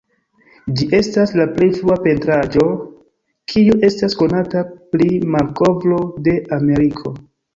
Ĝi estas la plej frua pentraĵo kiu estas konata pri la malkovro de Ameriko.